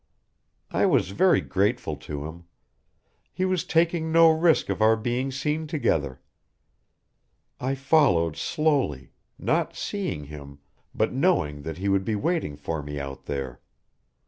"I was very grateful to him. He was taking no risk of our being seen together. I followed slowly not seeing him, but knowing that he would be waiting for me out there.